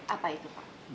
apa itu pak